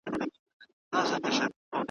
وايي مات مو خاینان کړل اوس به تښتي تور مخونه `